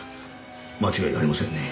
間違いありませんねぇ。